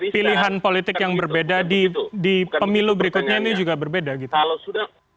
pilihan politik yang berbeda di pemilu berikutnya ini juga berbeda gitu